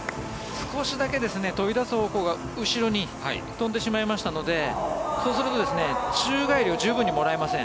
少しだけ飛び出す方向が後ろに飛んでしまいましたのでそうすると宙返りを十分にもらえません。